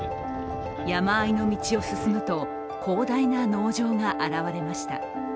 山あいの道を進むと、広大な農場が現れました。